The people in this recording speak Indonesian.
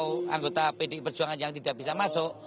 kalau anggota pdi perjuangan yang tidak bisa masuk